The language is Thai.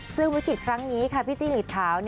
ซึ่งวิกฤตครั้งนี้ค่ะพี่จิ้งหลีดขาว